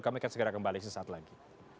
kami akan segera kembali sesaat lagi